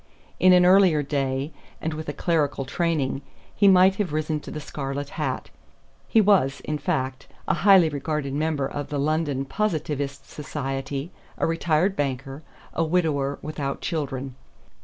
In an earlier day and with a clerical training he might have risen to the scarlet hat. He was, in fact, a highly regarded member of the London Positivist Society, a retired banker, a widower without children.